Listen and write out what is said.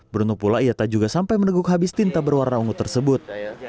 beruntung pula ia tak juga sampai meneguk habis tinta berwarna ungu tersebut